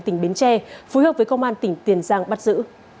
tỉnh bến tre phối hợp với công an tỉnh tiền giang bắt giữ